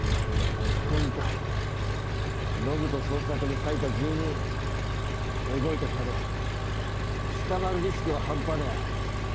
今回延人捜索に割いた人員動いた金捕まるリスクは半端ねぇ。